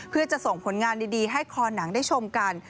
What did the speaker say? เพื่อจะส่งผลงานดีให้คอหนังได้ชมกัน